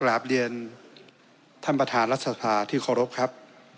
กลับเรียนท่านประธานรัฐศาสตร์ที่ขอรบครับ